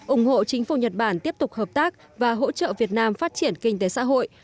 ủng hộ chính phủ nhật bản tiếp tục hợp tác và hỗ trợ việt nam phát triển kinh tế xã hội